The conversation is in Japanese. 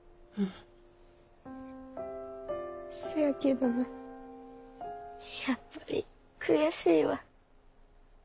せやけどなやっぱり悔しいわ。